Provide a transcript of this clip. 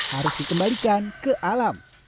harus dikembalikan ke alam